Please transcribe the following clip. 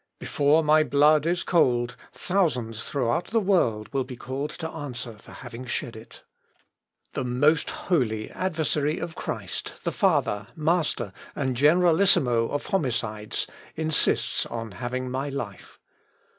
Before my blood is cold, thousands throughout the world will be called to answer for having shed it. The most holy adversary of Christ, the father, master, and generalissimo of homicides, insists on having my life.